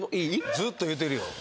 ずっと言うてるよ